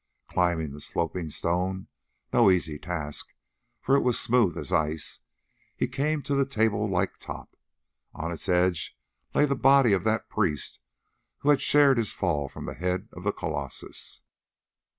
Climbing the sloping stone—no easy task, for it was smooth as ice—he came to the table like top. On its edge lay the body of that priest who had shared his fall from the head of the colossus.